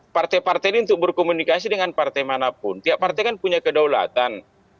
partai partai ini untuk berkomunikasi dengan partai manapun tiap partai kan punya kedaulatan